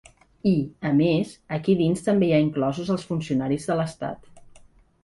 I, a més, aquí dins també hi ha inclosos els funcionaris de l’estat.